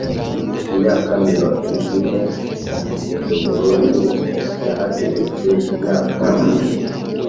imyaka mirongo ine I Heburoni yahategetse imyaka ine